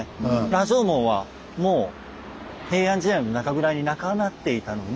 羅城門はもう平安時代の中ぐらいになくなっていたのに。